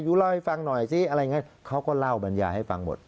เล่าให้ฟังหน่อยสิอะไรอย่างนี้เขาก็เล่าบรรยาให้ฟังหมด